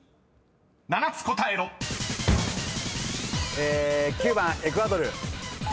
え９番エクアドル。